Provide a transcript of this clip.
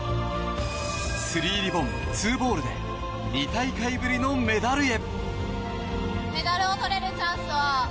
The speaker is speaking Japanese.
３リボン・２ボールで２大会ぶりのメダルへ。